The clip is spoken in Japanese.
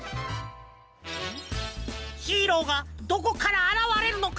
ヒーローがどこからあらわれるのか？